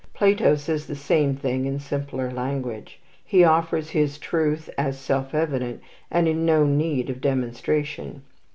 Plato says the same thing in simpler language. He offers his truth as self evident, and in no need of demonstration.